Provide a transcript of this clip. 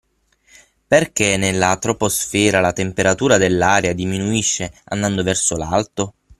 Perché nella troposfera la temperatura dell‘aria diminuisce andando verso l’alto?